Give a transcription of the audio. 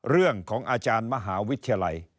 เรื่องของอาจารย์มหาวิทยาลัย